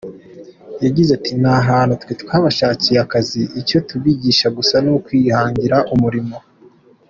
Yagize ati “Nta hantu twe twabashakiye akazi, icyo tubigisha gusa ni ukwihangira umurimo.